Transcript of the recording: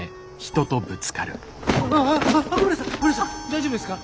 大丈夫ですか？